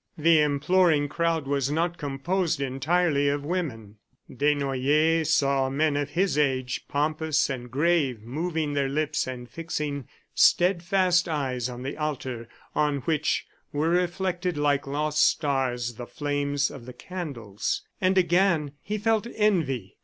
The imploring crowd was not composed entirely of women. Desnoyers saw men of his age, pompous and grave, moving their lips and fixing steadfast eyes on the altar on which were reflected like lost stars, the flames of the candles. And again he felt envy.